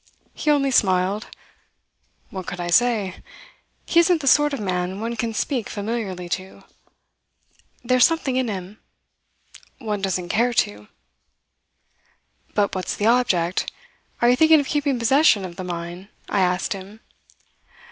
He only smiled. What could I say? He isn't the sort of man one can speak familiarly to. There's something in him. One doesn't care to. "'But what's the object? Are you thinking of keeping possession of the mine?' I asked him.